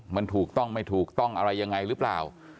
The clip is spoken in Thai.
มันถูกต้องไม่ถูกต้องอะไรยังไงหรือเปล่า